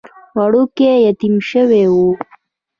وړوکی يتيم شوی و.